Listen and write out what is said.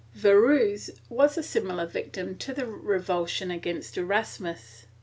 Virues was a similar victim to the revulsion against Erasmus.